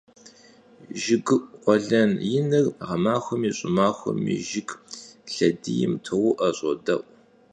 Jjıgıu'u khuelen yinır ğemaxuemi ş'ımaxuemi jjıg lhediym tou'ue, ş'ode'u.